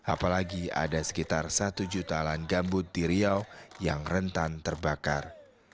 apalagi ada sekitar satu juta lahan gambut di riau yang rentan terbakar